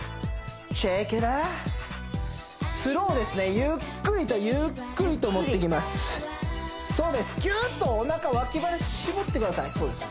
チェケラスローですねゆっくりとゆっくりともってきますそうですギュッとおなか脇腹絞ってくださいそうです